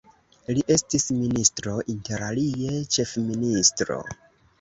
Li estis ministro, interalie ĉefministro.